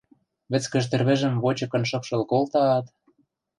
Вӹцкӹж тӹрвӹжӹм вочыкын шыпшыл колтаат: